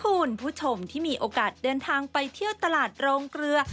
คุณผู้ชมที่มีโอกาสเดินทางไปเที่ยวตลาดโรงเกลือ